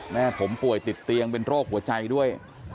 แม่ผมป่วยติดเตียงเป็นโรคหัวใจด้วย